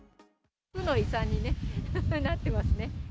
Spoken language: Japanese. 負の遺産にね、なってますね。